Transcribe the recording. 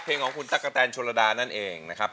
เพลงของคุณตั๊กกะแตนชนระดานั่นเองนะครับ